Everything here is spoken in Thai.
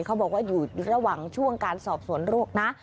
เขาบอกว่าอยู่ระหว่างช่วงการสอบสวนโรคนะ